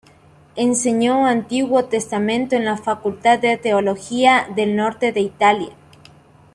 Enseñó Antiguo Testamento en la Facultad de Teología del Norte de Italia.